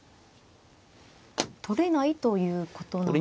取れないということなんですね。